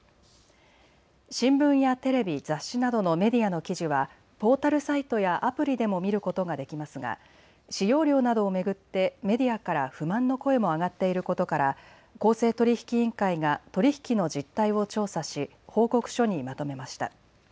新聞やテレビ、雑誌などのメディアの記事はポータルサイトやアプリでも見ることができますが使用料などを巡ってメディアから不満の声も上がっていることから公正取引委員会が取り引きの実態を調査し報告書にまとめました。